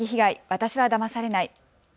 私はだまされない。